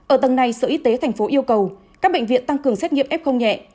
ở tầng này sở y tế thành phố yêu cầu các bệnh viện tăng cường xét nghiệm f nhẹ